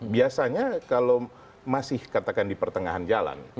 biasanya kalau masih katakan di pertengahan jalan